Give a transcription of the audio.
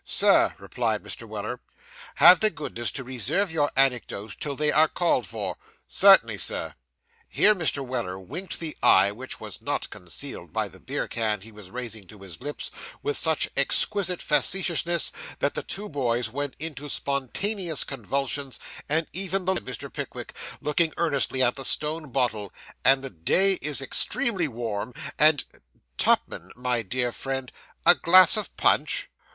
'Sir,' replied Mr. Weller. 'Have the goodness to reserve your anecdotes till they are called for.' 'Cert'nly, sir.' Here Mr. Weller winked the eye which was not concealed by the beer can he was raising to his lips, with such exquisite facetiousness, that the two boys went into spontaneous convulsions, and even the long man condescended to smile. 'Well, that certainly is most capital cold punch,' said Mr. Pickwick, looking earnestly at the stone bottle; 'and the day is extremely warm, and Tupman, my dear friend, a glass of punch?